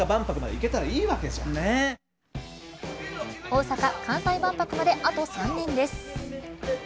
大阪・関西万博まであと３年です。